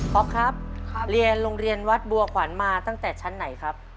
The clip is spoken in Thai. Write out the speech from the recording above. ครับเรียนโรงเรียนวัดบัวขวัญมาตั้งแต่ชั้นไหนครับ